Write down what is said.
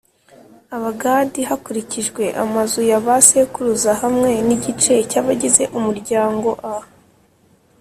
Abagadi hakurikijwe amazu ya ba sekuruza hamwe n’igice cy’abagize umuryangoa